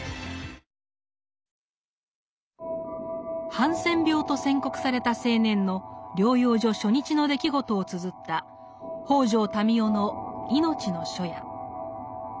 ハンセン病と宣告された青年の療養所初日の出来事をつづった北條民雄の「いのちの初夜」。